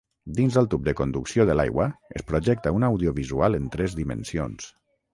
Dins el tub de conducció de l'aigua es projecta un audiovisual en tres dimensions.